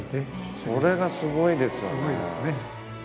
それがすごいですよね。